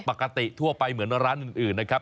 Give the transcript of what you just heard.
ปกติทั่วไปเหมือนร้านอื่นนะครับ